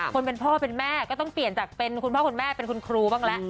คนเป็นพ่อเป็นแม่ก็ต้องเปลี่ยนจากเป็นคุณพ่อคุณแม่เป็นคุณครูบ้างแล้ว